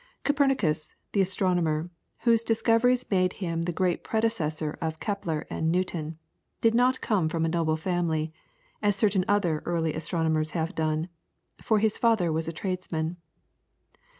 Copernicus, the astronomer, whose discoveries make him the great predecessor of Kepler and Newton, did not come from a noble family, as certain other early astronomers have done, for his father was a tradesman.